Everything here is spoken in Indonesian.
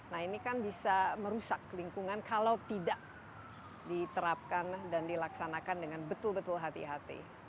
nah ini kan bisa merusak lingkungan kalau tidak diterapkan dan dilaksanakan dengan betul betul hati hati